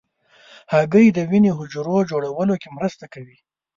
هګۍ د وینې حجرو جوړولو کې مرسته کوي.